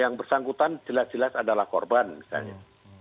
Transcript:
yang bersangkutan jelas jelas adalah korban misalnya